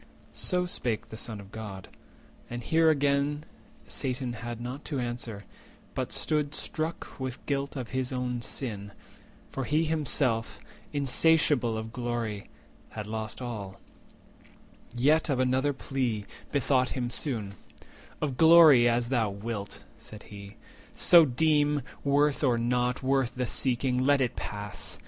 So spake the Son of God; and here again Satan had not to answer, but stood struck With guilt of his own sin—for he himself, Insatiable of glory, had lost all; Yet of another plea bethought him soon:— "Of glory, as thou wilt," said he, "so deem; 150 Worth or not worth the seeking, let it pass.